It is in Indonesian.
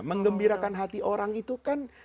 mengembirakan hati orang itu kan